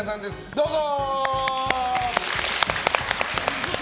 どうぞ！